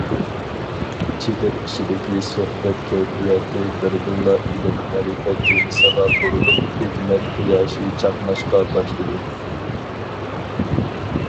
چېدىر ئىچىدىكى سۆھبەت كەيپىياتى بىردىنلا ئىلىم- مەرىپەت تېمىسىغا بۇرۇلۇپ ھېكمەت قۇياشى چاقناشقا باشلىدى.